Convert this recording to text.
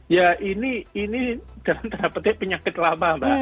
ya ini dalam terapetnya penyakit lama